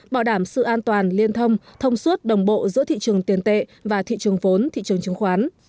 bảo đảm sự an toàn liên thông thông suốt đồng bộ giữa thị trường tiền tệ và thị trường vốn thị trường chứng khoán